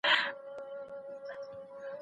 ما په پوره روښانتیا سره موضوع بیان کړه.